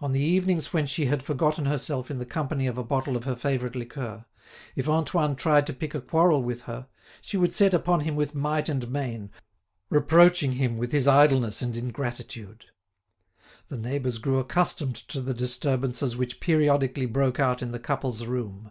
On the evenings when she had forgotten herself in the company of a bottle of her favourite liqueur, if Antoine tried to pick a quarrel with her, she would set upon him with might and main, reproaching him with his idleness and ingratitude. The neighbours grew accustomed to the disturbances which periodically broke out in the couple's room.